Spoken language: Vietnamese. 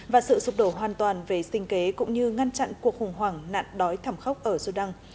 và sự sụp đổ hoàn toàn về sinh kế cũng như ngăn chặn cuộc khủng hoảng nạn đói thảm khốc ở sudan